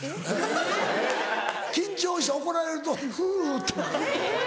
緊張して怒られると「ふぅ」ってなる。